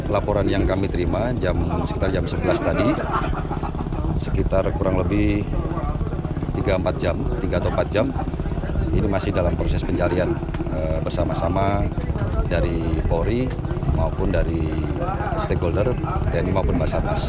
laporan yang kami terima sekitar jam sebelas tadi sekitar kurang lebih tiga empat jam tiga atau empat jam ini masih dalam proses pencarian bersama sama dari polri maupun dari stakeholder tni maupun basarnas